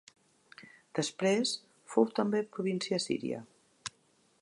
Després fou també província assíria.